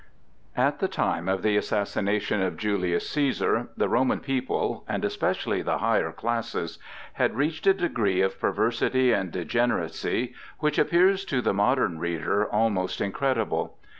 AT the time of the assassination of Julius Cæsar, the Roman people, and especially the higher classes, had reached a degree of perversity and degeneracy which appears to the modern reader almost incredible.